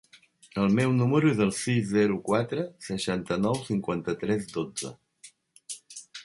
El meu número es el sis, zero, quatre, seixanta-nou, cinquanta-tres, dotze.